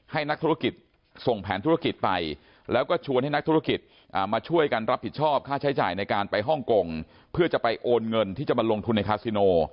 ให้นักธุรกิจส่งแผนธุรกิจไปแล้วก็ชวนให้นักธุรกิจมาช่วยกันรับผิดชอบค่าใช้จ่ายในการไปฮ่องกงเพื่อจะไปโอนเงินที่จะมาลงทุนในคาซิโน